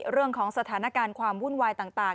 เรื่องของสถานการณ์ความวุ่นวายต่าง